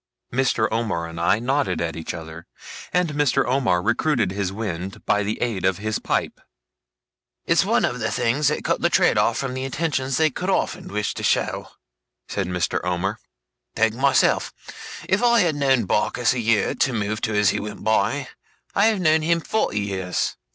Mr. Omer and I nodded at each other, and Mr. Omer recruited his wind by the aid of his pipe. 'It's one of the things that cut the trade off from attentions they could often wish to show,' said Mr. Omer. 'Take myself. If I have known Barkis a year, to move to as he went by, I have known him forty years.